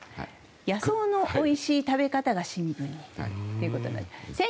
野草のおいしい食べ方が新聞にということで。